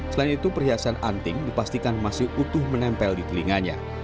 selain itu perhiasan anting dipastikan masih utuh menempel di telinganya